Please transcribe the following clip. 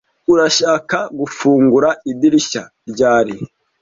Urashaka gufungura idirishya ryari